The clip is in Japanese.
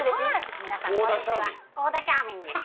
皆さんこんにちは幸田シャーミンです。